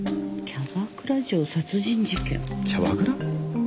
キャバクラ？